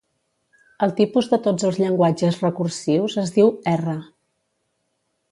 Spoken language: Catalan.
El tipus de tots els llenguatges recursius es diu R.